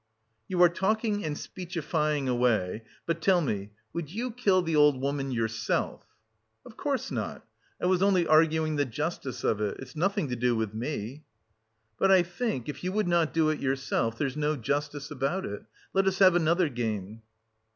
"You are talking and speechifying away, but tell me, would you kill the old woman yourself?" "Of course not! I was only arguing the justice of it.... It's nothing to do with me...." "But I think, if you would not do it yourself, there's no justice about it.... Let us have another game."